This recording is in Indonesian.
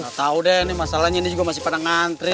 nggak tahu deh ini masalahnya ini juga masih pada ngantri